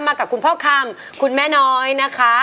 กับคุณพ่อคำคุณแม่น้อยนะคะ